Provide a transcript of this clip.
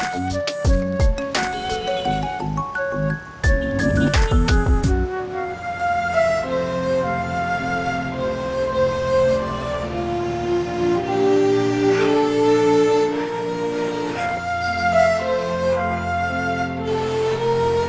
tidur tidur tidur